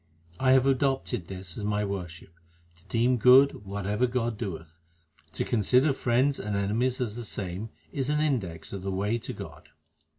I have adopted this as my worship to deem good what ever God doeth : To consider friends and enemies as the same is an index of the way to God.